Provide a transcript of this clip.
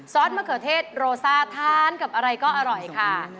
สมะเขือเทศโรซ่าทานกับอะไรก็อร่อยค่ะ